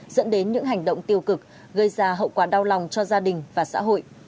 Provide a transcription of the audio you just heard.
dẫn đến những hành động tiêu cực gây ra hậu quả đau lòng cho gia đình và xã hội